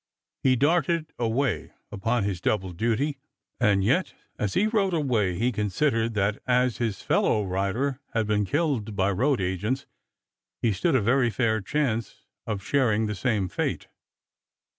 He darted away upon his double duty and yet as he rode away he considered that as his fellow rider had been killed by road agents, he stood a very fair chance of sharing the same fate.